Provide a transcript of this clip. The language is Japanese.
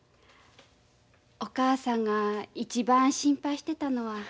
お母さんが一番心配してたのは。